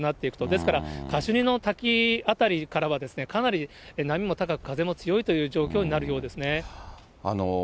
ですから、カシュニの滝辺りからは、かなり波も高く、風も強いという状況になるようですね。